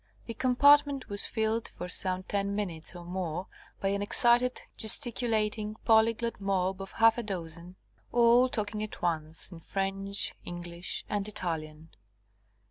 The compartment was filled for some ten minutes or more by an excited, gesticulating, polyglot mob of half a dozen, all talking at once in French, English, and Italian.